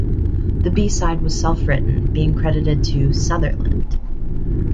The B-side was self-written, being credited to 'Sutherland'.